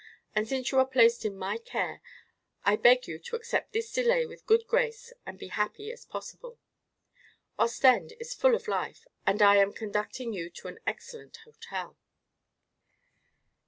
And since you are placed in my care I beg you to accept this delay with good grace and be happy as possible. Ostend is full of life and I am conducting you to an excellent hotel."